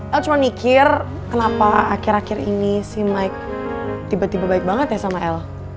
saya cuma mikir kenapa akhir akhir ini si mike tiba tiba baik banget ya sama el